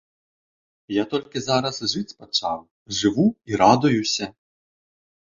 Я толькі зараз і жыць пачаў, жыву і радуюся.